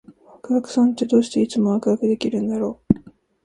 ワクワクさんって、どうしていつもワクワクできるんだろう？